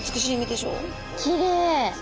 きれい！